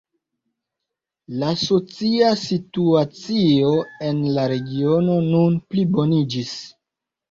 La socia situacio en la regiono nun pliboniĝis.